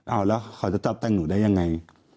เอาแล้วเขาจะตอบแต่งหนูได้ยังไง